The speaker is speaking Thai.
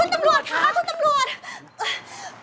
เอ้ยคนตำรวจค่ะคนตำรวจ